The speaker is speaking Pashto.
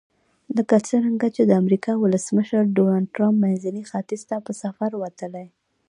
لکه څرنګه چې د امریکا ولسمشر ډونلډ ټرمپ منځني ختیځ ته په سفر وتلی.